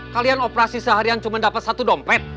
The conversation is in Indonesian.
kalian operasi seharian cuma dapat satu dompet